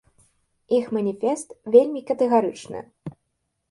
Іх маніфест вельмі катэгарычны.